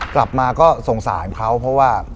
กลับมาก็สงสารเขาเพราะว่า